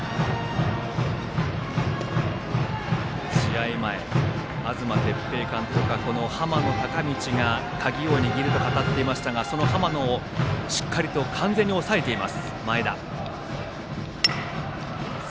試合前、東哲平監督はこの浜野孝教が鍵を握ると語っていましたがその浜野をしっかり完全に抑えている前田。